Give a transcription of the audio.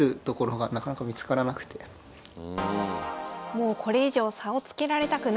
もうこれ以上差をつけられたくない。